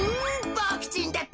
ボクちんだって！